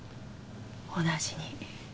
同じに。